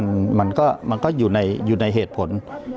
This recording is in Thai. ผมว่ามันก็อยู่ในเหตุผล